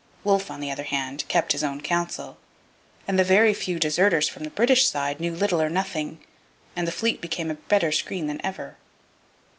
Wolfe, on the other hand, kept his own counsel; the very few deserters from the British side knew little or nothing, and the fleet became a better screen than ever.